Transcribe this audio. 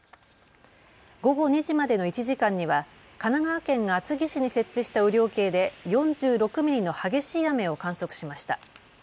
午後２時までの１時間には神奈川県が厚木市に設置した雨量計で４６ミリの激しい雨を観測しました。